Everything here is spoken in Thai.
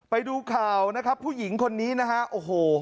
ไปดูข่าวนะครับผู้หญิงคนนี้นะฮะโอ้โห